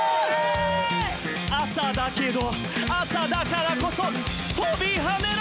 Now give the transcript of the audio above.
朝だけど、朝だからこそ飛び跳ねろ！